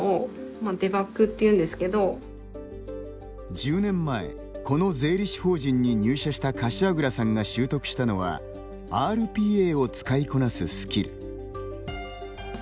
１０年前、この税理士法人に入社した柏倉さんが習得したのはＲＰＡを使いこなすスキル。